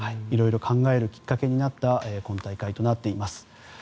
色々考えるきっかけになった今大会となっています。